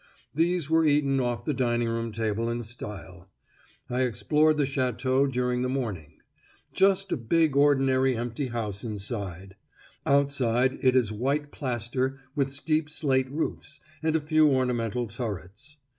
These were eaten off the dining room table in style. I explored the Château during the morning; just a big ordinary empty house inside; outside, it is white plaster, with steep slate roofs, and a few ornamental turrets.